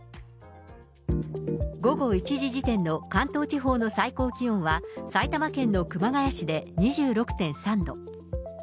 午後１時時点の関東地方の最高気温は、埼玉県の熊谷市で２６．３度。